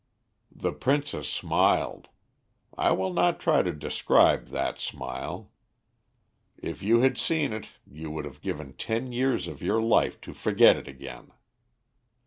"The princess smiled. I will not try to describe that smile. If you had seen it you would have given ten years of your life to forget it again.